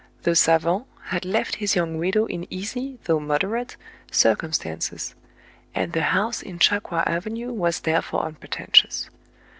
The savufit had left his young widow in easy, though moderate, circumstances ; and the house in Cha Coua Avenue was therefore unpretentious.